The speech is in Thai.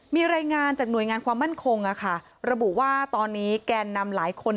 มีรายงานจากหน่วยงานความมั่นคงระบุว่าตอนนี้แกนนำหลายคน